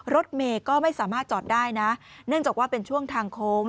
รถเมย์ก็ไม่สามารถจอดได้นะเนื่องจากว่าเป็นช่วงทางโค้ง